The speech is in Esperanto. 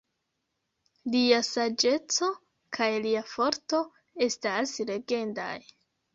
Lia saĝeco kaj lia forto estas legendaj.